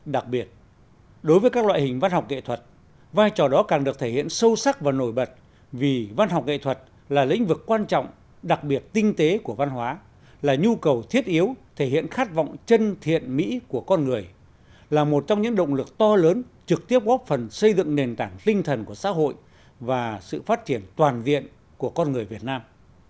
đặc biệt đối với các loại hình văn học nghệ thuật vai trò đó càng được thể hiện sâu sắc và nổi bật vì văn học nghệ thuật là lĩnh vực quan trọng đặc biệt tinh tế của văn hóa là nhu cầu thiết yếu thể hiện khát vọng chân thiện mỹ của con người là một trong những động lực to lớn trực tiếp góp phần xây dựng nền tảng linh thần của xã hội và sự phát triển toàn diện của con người việt nam